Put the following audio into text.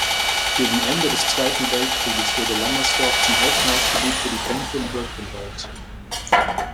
Gegen Ende des Zweiten Weltkrieges wurde Lammersdorf zum Aufmarschgebiet für die Kämpfe im Hürtgenwald.